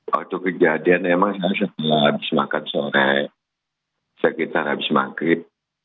waktu kejadian emang saya habis makan sore sekitar habis maghrib